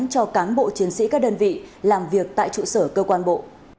cho cán bộ chiến sĩ các đơn vị làm việc tại trụ sở cơ quan bộ